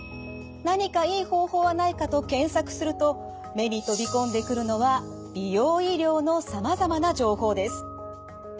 何かいい方法はないかと検索すると目に飛び込んでくるのは美容医療のさまざまな情報です。